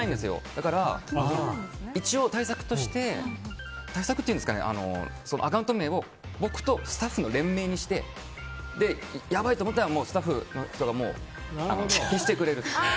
だから一応対策としてというかアカウント名を僕とスタッフの連名にしてやばいと思ったらスタッフが消してくれるという。